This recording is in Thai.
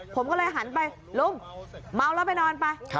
ผมก็เลยหันไปลุงเมาแล้วไปนอนไป